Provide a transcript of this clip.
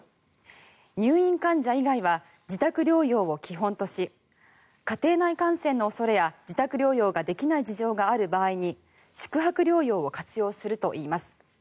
入院患者以外は自宅療養を基本とし家庭内感染の恐れや自宅療養ができない事情がある場合に宿泊療養を活用するといいます。